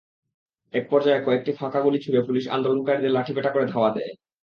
একপর্যায়ে কয়েকটি ফাঁকা গুলি ছুড়ে পুলিশ আন্দোলনকারীদের লাঠিপেটা করে ধাওয়া দেয়।